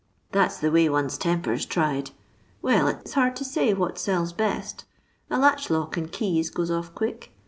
That 's the way one's temper 's tried. Well, it 's hard to say what sells best. A latch lock and keys goes off quick.